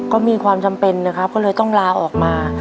ก็มีความจำเป็นนะครับก็เลยต้องลาออกมา